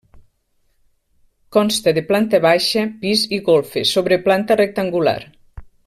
Consta de planta baixa, pis i golfes, sobre planta rectangular.